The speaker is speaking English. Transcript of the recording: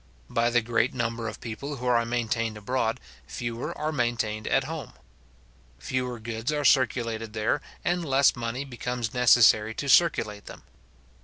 By the great number of people who are maintained abroad, fewer are maintained at home. Fewer goods are circulated there, and less money becomes necessary to circulate them.